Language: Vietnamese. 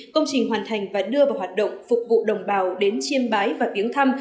công trình hoàn thành và đưa vào hoạt động phục vụ đồng bào đến chiêm bái và viếng thăm